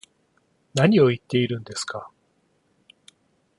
何を言ってるんですか